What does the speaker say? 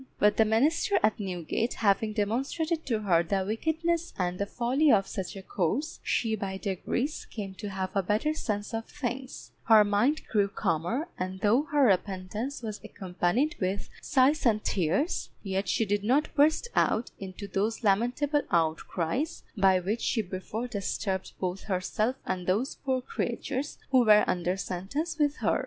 But the minister at Newgate having demonstrated to her the wickedness and the folly of such a course, she by degrees came to have a better sense of things; her mind grew calmer, and though her repentance was accompanied with sighs and tears, yet she did not burst out into those lamentable outcries by which she before disturbed both herself and those poor creatures who were under sentence with her.